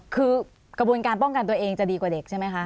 คือกระบวนการป้องกันตัวเองจะดีกว่าเด็กใช่ไหมคะ